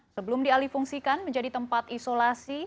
sebelum dialih fungsikan menjadi tempat isolasi